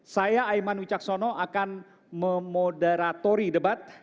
saya aiman wicaksono akan memoderatori debat